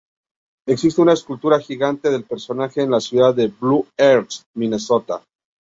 Existe una escultura gigante del personaje en la ciudad de Blue Earth, Minnesota.